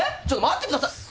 ちょっと待ってくだ！